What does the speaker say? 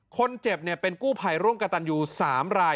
คนเจ็บเป็นกู้ภัยร่วมกับตันยู๓ราย